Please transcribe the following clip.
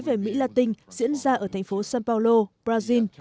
về mỹ latinh diễn ra ở thành phố sao paulo brazil